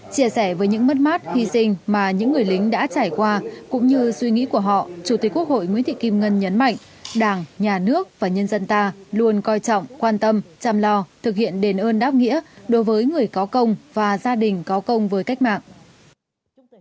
chia sẻ với những mất mát hy sinh mà những người lính đã trải qua cũng như suy nghĩ của họ chủ tịch quốc hội nguyễn thị kim ngân nhấn mạnh đảng nhà nước và nhân dân ta luôn coi trọng quan tâm chăm lo thực hiện đền ơn đáp nghĩa đối với người có công và gia đình có công với cách mạng